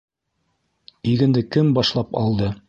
— Игенде кем башлап алды?